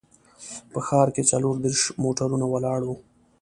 په ښار کې څلور دیرش موټرونه ولاړ وو.